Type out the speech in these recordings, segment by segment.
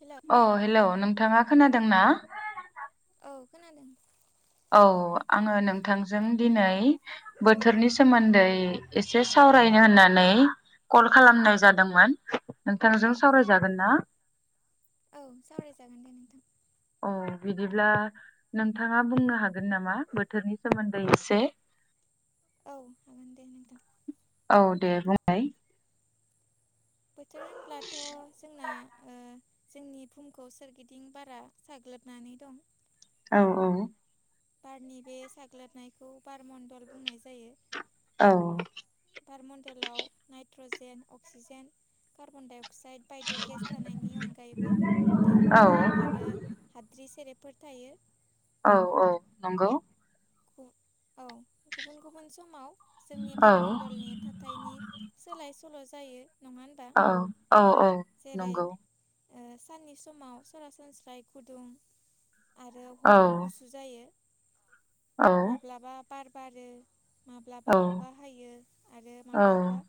हेल'! अ हेल' नोंथाङा खोनादों ना? औ खोनादों। औ आङो नोंथांजों दिनै बोथोरनि सोमोन्दै एसे सावरायनो होननानै कल खालामनाय जादोंमोन। नोंथांजों औ सावरायजागोन ना? औ सावरायजागोन दे नोंथां। औ बिदिब्ला नोंथाङा बुंनो हागोन नामा बोथोरनि सोमोन्दै एसे औ हागोन दे नोंथां। औ दे बुंलाय बोथोर होनब्लाथ' जोंना ओ जोंनि भुमखौ सोरगिदिं बारा साग्लोबनानै दं। औ औ बारनि बे साग्लोबनायखौ बारमण्डल बुंनाय जायो। औ बारमडलाव nitrogen oxygen carbon dioxide बायदि गेस थानायानायनि अनगायैबो दै खफ' औ आरो हाद्रि सेरेबफोर थायो। औ औ नंगौ औ गुबुन गुबुन समाव जोंनि औ बारमण्डलनि थाथ थायनि सोलाय सोल' जायो नङा होनबा औ औ औ जेरै नंगौ ओ साननि समाव सरासनस्राय गुदुं आरो औ हराव गुसु जायो। औ माब्लाबा बार बारो औ माब्लाबा अखा हायो आरो माब्लाबा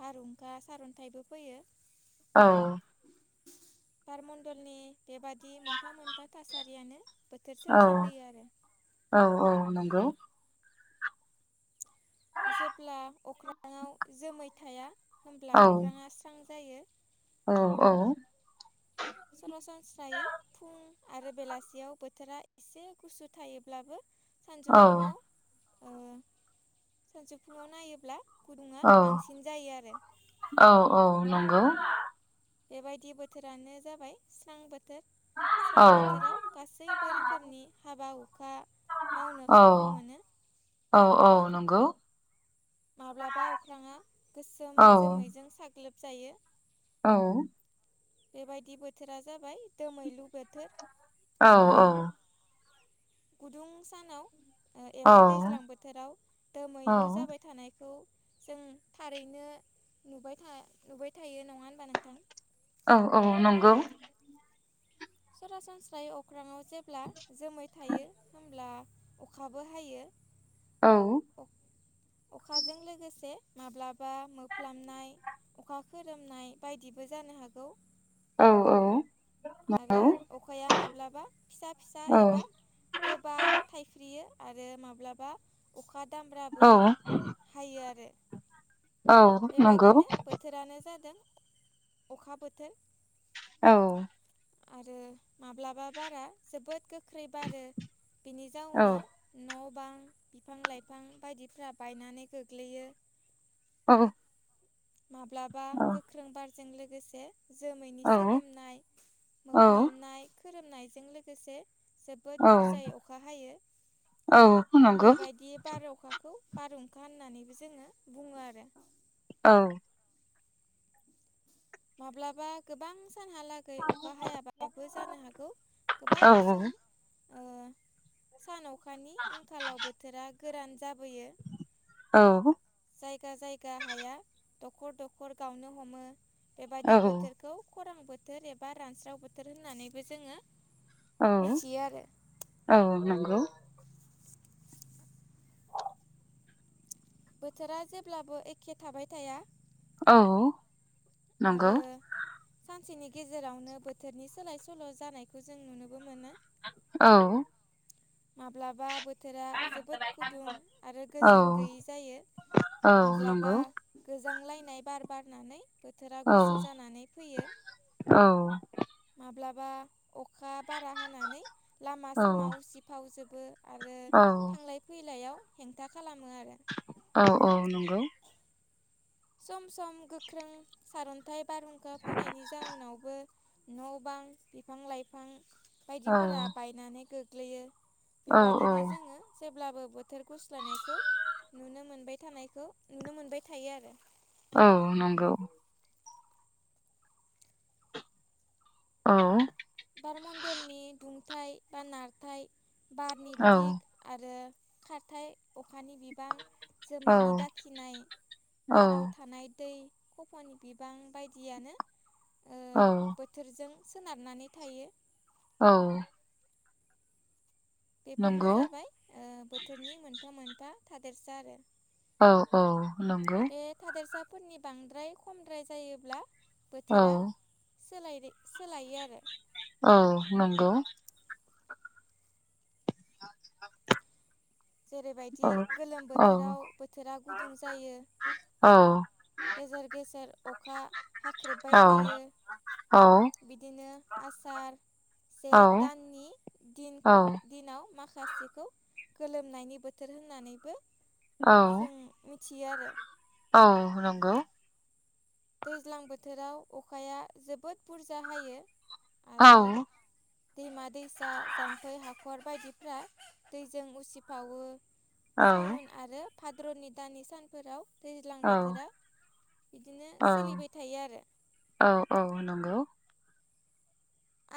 बारहुंखा सारन्थाइबो फैयो। औ बारमण्डलनि बेबादि मोनफा मोनफा थासारियानो बोथोर औ सोमजि होयो आरो। औ औ नंगौ जेब्ला अख्राङाव जोमै थाया होनब्ला औ अख्राङा स्रां जायो। औ औ सरासनस्रायै फुं आरो बेलासियाव बोथोरा एसे गुसु थायोब्लाबो औ सानजौफुुंआव ओ सानजौफुुंआव नायोब्ला गुदुंङा औ बांसिन जायो आरो। औ औ नंगौ बेबायदि बोथोरानो जाबाय स्रां बोथोर औ स्रां बोथोराव गासै बो रोखोमनि हाबा हुखा मावनो औ खाबु मोनो। औ औ नंगौ माब्लाबा अख्राङा औ गोसोम जोमैजों साग्लोबजायो। औ बेबायदि बोथोरा जाबाय दोमैलु बोथोर। औ ओ औ गुदुं सानाव औ एबा दैज्लां बोथोराव दोमैलु जाबाय थानायखौ जों थारैनो नुबाय था नुबाय थायो नङा होनबा नोंथां औ औ नंगौ सरासनस्रायै अख्राांव जेब्ला जोमै थायो होमब्ला अखाबो हायो। औ अखाजों लोगोसे माब्लाबा मोफ्लाबनाय अखा खोरोमनाय बायदिबो जानो हागौ। औ औ आरो औ अखाया माब्लाबा फिसा फिसा एबा औ गोबा थाइख्रियो आरो माब्लाबा अखा औ नंगौ औ दामब्राबो हायो आरो औ नंगौ बेबादिनो बोथोरानो जादों अखा बोथोर औ आरो माब्लाबा बारा जोबोद गोख्रै बारो बिनि औ जाउनाव न' बां बिफां लाइफां बायदिफ्रा बायनानै गोग्लैयो औ माब्लाबा गोख्रों बारजों लोगोसे जोमैनि औ सोगोमनाय औ मोफ्लाोमनाय खोरोमनायजों लोगोसे जोबोद औ बुरजायै अखा हायो औ नंगौ बेबायदि बार अखाखौ बारहुंखा होननानैबो जोङो बुङो आरो। औ। माब्लाबा गोबां सानहाला गै अखा हायाबाबो जानो हागौ गोबाव सम ओ सान अखानि आंखालाव बोथोरा गोरान जाबोयो। औ। जायगा जायगा हाया दखर दखर गावनो हमो बेबायदि बोथोर खौ खरां बोथोर एबा रानस्राव बोथोर होननानैबो जोङो औ मिथियो आरो औ नंगौ। बोथोरा जेब्लाबो एखे थाबाय थाया। औ। आरो नंगौ सानसेनि गेजेरावनो बोथोरनि सोलाय सोल' जानायखौ जों नुनोबो मोनो। औ। माब्लाबा बोथ बोथोरा जोबोद औ गुदुं आरो औ गोजोन गैयै जायो औ माब्लाबा नंगौ गोजांलायनाय बार बारनानै बोथोरा औ गुसु जानानै फैयो। औ माब्लाबा अखा बारा हानानै लामा सामा औ उसिफावजोबो। आरो औ थांलाय फैलायाव हेंथा खालामो आरो। औ औ नंगौ। सम सम गोख्रों सारअन्थाइ बारहुंखा फैनायनि जाउनावबो न' बां बिफां लाइफां औ बायदिफोरा बायनानै गोग्लैयो। औ औ बेबायदिनो जोङो जेब्लाबो बोथोर गुस्लायनायखौ नुनो मोनबाय थानायखौ नुनो मोनबाय थायो आरो। औ नंगौ। औ। बारमण्डलनि दुंथाय बा नारथाय बा नारथाय बारनि औ दिग आरो खारथायाइ अखानि बिबां जोमैनि दाखिनाय औ बाराव थानाय दै खफ'नि बिबां बायदियानो ओ औ। बोथोरजों सोनारनानै थायो। औ। बेफोरनो नंगौ जाबाय ओ बोथोरनि मोनफा मोनफा थादेरसा आरो। औ औ नंगौ। बे थादेरसाफोरनि बांद्राय खमद्राय जायोब्ला बोथोरा नंगौ सोलायरि सोलायो आरो। औ नंगौ। [inaudible] औ जेरैबायदि गोलोम बोथोराव बोथोरा गुदुं जायो। औ। गेजेर गेजेर अखा हाख्रेबबाय औ थायो। औ बिदिनो आसार जेठ दाननि दिन औ दिनाव माखासेखौ गोलोमनायनि बोथोर होननानैबो जों मिथियो आरो। औ नंगौ। दैज्लां बोथोराव अखाया जोबोद बुरजा हायो औ आरो औ दैमा दैसा जामफै हाखर बायदिफ्रा दैजों उसिफावो चाअन आरो भाद्र'नि दानि सानफोराव दैज्लां औ बोथोरा इदिनो सोलिबाय थायो आरो। औ औ नंगौ।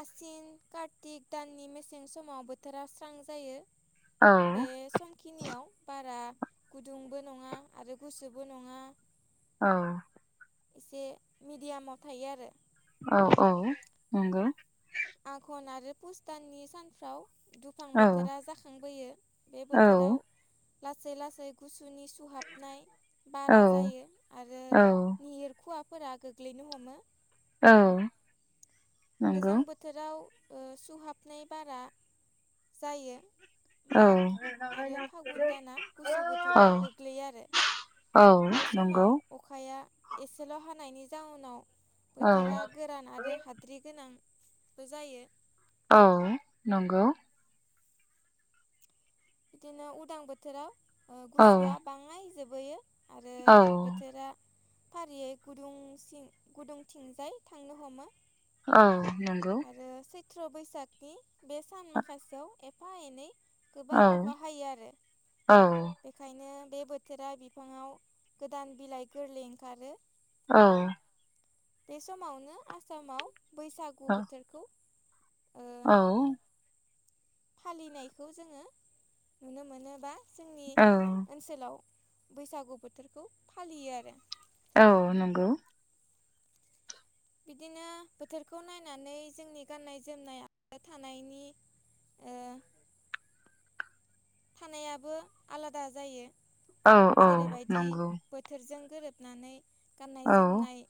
आसिन कार्तिक दाननि मेसें समाव बोथोरा स्रां जायो। औ बे समखिनियाव बारा गुदुंबो नङा आरो गुसुबो नङा। औ। एसे मिडियामाव थायो आरो। औ औ नंगौ। आघन आरो पुसताननि सानफ्राव दुफां औ बोथोरा जाखांबोयो बे औ बोथोराव लासै लासै गुसुनि सुहाबनाय औ बारा जायो आरो औ निहोर खुवाफोरा गोग्लैनो हमो। औ। गोजां नंगौ बोथोराव ओ सुहाबनाय बारा जायो। औ माग आरो फागुन दाना गुसु औ बोथोराव गोग्लैयो आरो। औ बे नंगौ समाव अखाया एसेल' हानायनि जाउनाव औ बोथोरा गोरान आरो हाद्रि गोनांबो जायो। औ नंगौ। बिदिनो उदां बोथोराव ओ औ गुसुआ बांनाय जोबहैयो। आरो औ बोथोरा फारियै गुदुंं सिन गुदुंथिंजाय थांनो हमो। औ नंगौ। [unintelligible] सैथ्र' बैसागनि बे सान माखासेयाव एफा एनै औ गोबां अखा हायो आरो। औ औ। बेखायनो बे बोथोरा बिफाङाव गोदान बिलाइ गोरलै ओंखारो। औ। बे समावनो आसामाव बैसागु बोथोरखौ ओ औ। फालिनायखौ जोङो नुनो मोनोबा जोंनि औ ओनसो सोलाव बैसागु बोथोरखौ फालियो आरो। औ नंगौ। बिदिनो बोथोरखौ नायनानै जोंनि गाननाय जोमनाय आरो थानायनि ओ थानायाबो आलादा जायो औ जेरै बायदि बोथोरजों गोरोबनानै गाननाय जोमनाय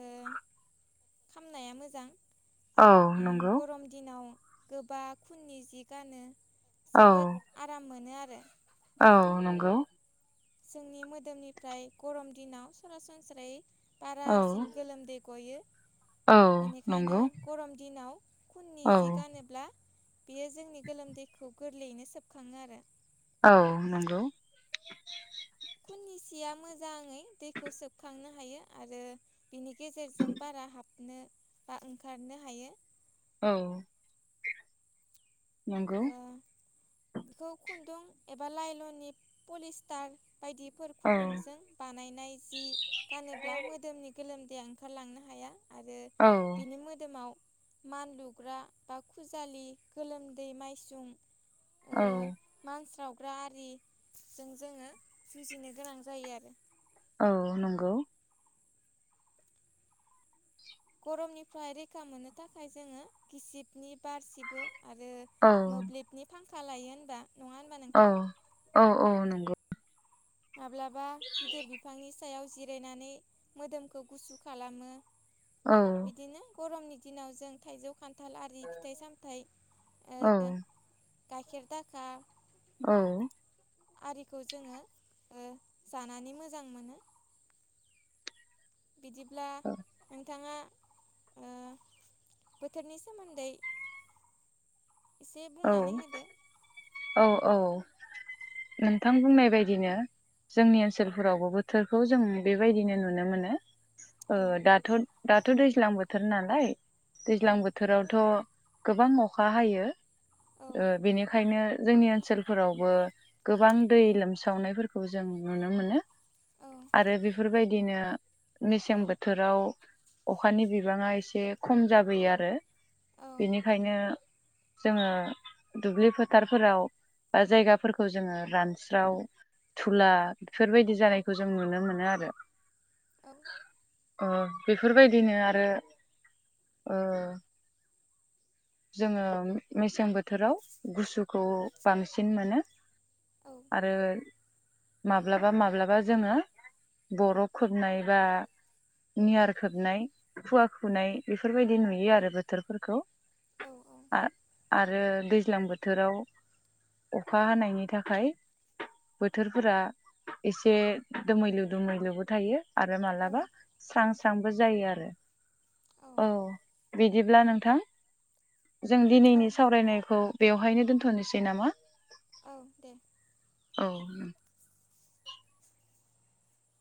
ओ खामनाया मोजां औ नंगौ औ ओम नंगौ गरम दिनाव गोबा खुननि जि गानो औ जोबोद आराम मोनो आरो। औ नंगौ। जोंनि मोदोमनिफ्राय गरम दिनाव सरासनस्रायै औ बारासिन गोलोमदै गयो औ बेनिखायनो नंगौ गरम दिनाव खुननि औ जि गानोब्ला बेयो जोंनि गोलोमदैखौ गोरलैयैनो सोबखाङो आरो। औ नंगौ। खुननि सिया मोजाङै दैखौ सोबखांनो हायो आरो बिनि गेजेरजों बारा हाबनो बा ओंखारनो हायो। औ नंगौ। इखौ खुन्दुं एबा लाइल'नि पलिस्टार बायदिफोर औ खुन्दुंजों बानायनाय जि गानोब्ला मोदोमनि गोलोमदैया ओंखारलांनो हाया आरो औ बिनि मोदोमाव मानलुग्रा बा खुजालि गोलोम दै माइसुं औ मानस्रावग्रा आरि जों जोङो जुजिनो गोनां जायो आरो। औ नंगौ। गरमनिफ्राय रैखा मोननो थाखाय जोङो गिसिबनि बारसिबो आरो औ मोब्लिबनि फांखा लायो होनबा नङा होनबा अ नोंथां औ औ नंगौ। माब्लाबा गिदिर बिफांनि सायाव जिरायनानै मोदोमखौ गुसु खालामो औ बिदिनो गरमनि दिनाव जों थाइजौ खान्थाल आरि फिथाइ सामथाइ औ ओ गाइखेर दाखा औ आरिखौ जोङो जानानै मोजां मोनो। बिदिब्ला नोंथाङा ओ बोथोरनि सोमोन्दै एसे औ बुंनानै होदो। औ औ नोंथां बुंनाय बायदिनो जोंनि ओनसोलफोरावबो बोथोरखौ जों बेबायदिनो नुनो मोनो। ओ औ दाथ' दाथ' दैज्लां बोथोर नालाय औ दैज्लां बो थोरावथ' गोबां अखा हायो औ ओ बेनिखायनो जोंनि ओ नसोलफोरावबो गोबां दै लोमसावनायफोरखौ जों नुनो मोनो। औ आरो बेफोरबाय दिनो मेसें बोथोराव अखानि बिबाङा एसे खम जाबोयो आरो। औ बेनिखायनो जोङो दुब्लि फोथारफोराव बा जायगाफोरखौ जोङो रानस्राव धुला बेफोरबायदि जानायखौ जों नुनो मोनो आरो। औ ओ बेफोरबायदिनो आरो ओ जोङो मेसें बोथोराव गुसुखौ बांसिन मोनो औ आरो माब्लाबा माब्लाबा जोङो बर' खोबनाय बा नियार खोबनाय खुवा खुनाय बेफोरबायदि नुयो आरो बोथोरफोरखौ आं आरो दैज्लां बोथोराव अखा हानायनि थाखाय बोथोरफोरा एसे दोमैलु दोमैलुबो थायो आरो औ मालाबा स्रां स्रांबो जायो आरो औ बिदिब्ला नोंथां जों दिनैनि सावरायनायखौ बेवहायनो दोनथ'नोसै नामा औ दे औ